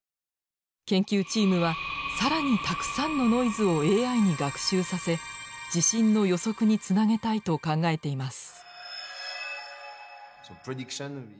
研究チームは更にたくさんのノイズをＡＩに学習させ地震の予測につなげたいと考えています。